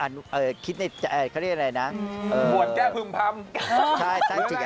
อ๋อนึกว่า๘๘๘แรงทะลุนอรก